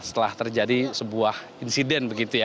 setelah terjadi sebuah insiden begitu ya